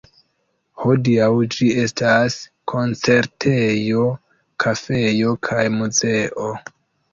Hodiaŭ ĝi estas koncertejo, kafejo kaj muzeo.